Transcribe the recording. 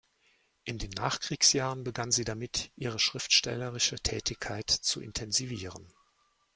In den Nachkriegsjahren begann sie damit, ihre schriftstellerische Tätigkeit zu intensivieren.